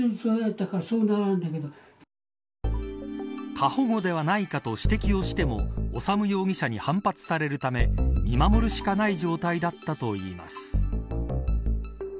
過保護ではないかと指摘をしても修容疑者に反発されるため見守るしかない状態だったといいます。